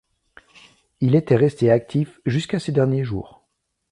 Il était resté actif jusqu'à ses derniers jours.